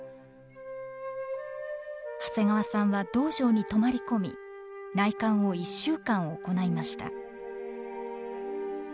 長谷川さんは道場に泊まり込み内観を１週間行いました。